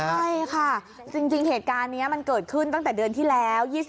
ใช่ค่ะจริงเหตุการณ์นี้มันเกิดขึ้นตั้งแต่เดือนที่แล้ว